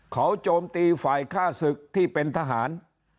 เขาโจมตีฝ่ายฆ่าศึกที่เป็นทหาร